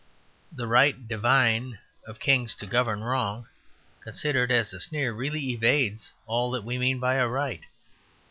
"The right divine of kings to govern wrong," considered as a sneer, really evades all that we mean by "a right."